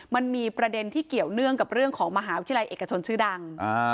มันมีประเด็นที่เกี่ยวเนื่องกับเรื่องของมหาวิทยาลัยเอกชนชื่อดัง